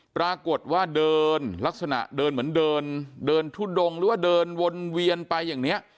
ปรากฏว่าเดินลักษณะเดินเหมือนเดินเดินทุดงหรือว่าเดินวนเวียนไปอย่างนี้